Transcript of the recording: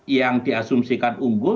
yang diasumsikan unggul